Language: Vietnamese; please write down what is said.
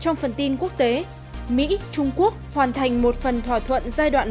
trong phần tin quốc tế mỹ trung quốc hoàn thành một phần thỏa thuận giai đoạn một